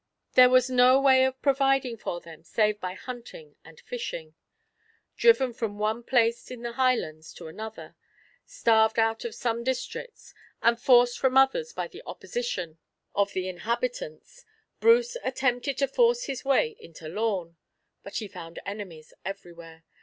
There was no way of providing for them save by hunting and fishing. Driven from one place in the Highlands to another, starved out of some districts, and forced from others by the opposition of the inhabitants, Bruce attempted to force his way into Lorn; but he found enemies everywhere.